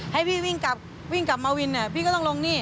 ให้พี่วิ่งกลับวิ่งกลับมาวินพี่ก็ต้องลงนี่